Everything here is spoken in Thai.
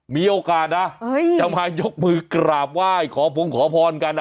มีโอกาสนะจะมายกมือกราบไหว้ขอพงขอพรกัน